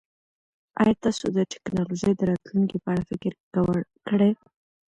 ایا تاسو د ټکنالوژۍ د راتلونکي په اړه فکر کړی؟